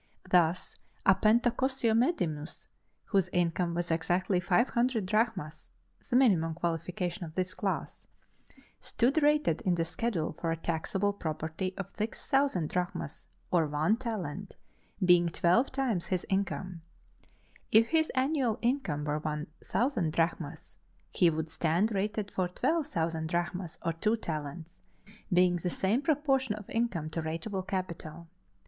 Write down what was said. Thus a Pentacosiomedimnus, whose income was exactly 500 drachmas (the minimum qualification of his class), stood rated in the schedule for a taxable property of 6,000 drachmas or one talent, being twelve times his income if his annual income were 1,000 drachmas, he would stand rated for 12,000 drachmas or two talents, being the same proportion of income to ratable capital.